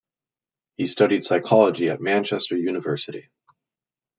He studied Psychology at Manchester University.